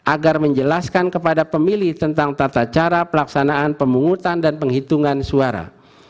agar menjelaskan kepada pemilih tentang tata cara pelaksanaan pemungutan dan penghitungan suara